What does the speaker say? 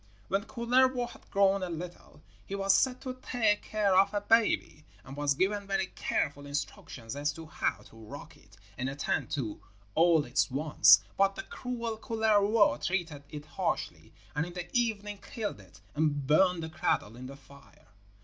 When Kullervo had grown a little, he was set to take care of a baby, and was given very careful instructions as to how to rock it and attend to all its wants; but the cruel Kullervo treated it harshly, and in the evening killed it and burned the cradle in the fire.